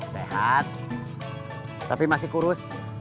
sehat tapi masih kurus